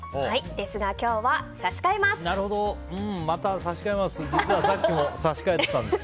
ですが、今日は差し替えます。